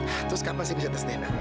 terus kapan sih bisa tes dna